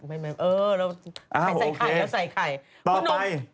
ไม่เออโอเคนะใครใส่ไข่เมื่อใส่ไข่ท่านมต่อไป